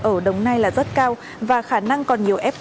ở đồng nai là rất cao và khả năng còn nhiều fta